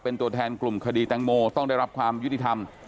เป็นตัวแทนกลุ่มคดีแตงโมต้องได้รับความยุติธรรม